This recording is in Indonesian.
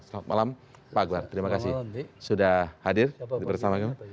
selamat malam pak akbar terima kasih sudah hadir bersama kami